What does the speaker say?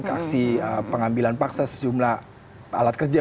aksi pengambilan paksa sejumlah alat kerja